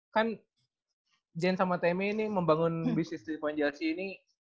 kan jen sama teme ini membangun bisnis tiga point jersey ini